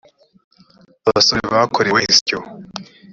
abasore bakorewe insyo.